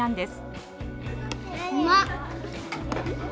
うまっ！